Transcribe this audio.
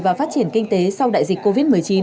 và phát triển kinh tế sau đại dịch covid một mươi chín